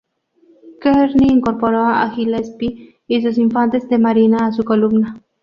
Kearny incorporó a Gillespie y sus infantes de marina a su columna.